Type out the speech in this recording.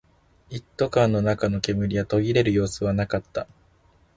一斗缶の中の煙は途切れる様子はなかった